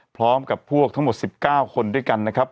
พร้อมกับพวกทั้งหมด๑๙คนด้วยกันนะครับ